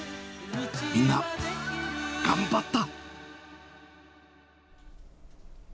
みんな、頑張った。